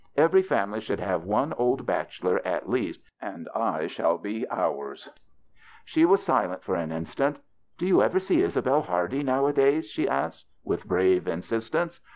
Every family should have one old bachelor, at least, and I shall be ours." She was silent for an instant. " Do you ever see Isabelle Hardy, nowadays ?" she asked, with brave insistence.